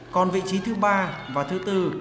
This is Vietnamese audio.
còn vị trí thứ ba và thứ bốn